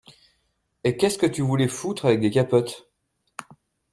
Et qu’est-ce que tu voulais foutre avec des capotes ?